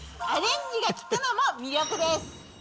アレンジが効くのも魅力です。